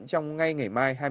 trong ngày ngày mai hai mươi hai